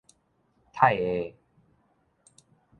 呔會